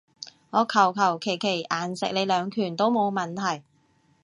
我求求其其硬食你兩拳都冇問題